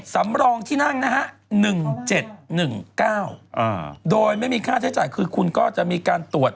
สำรองที่นั่งนะฮะ๑๗๑๙โดยไม่มีค่าใช้จ่ายคือคุณก็จะมีการตรวจ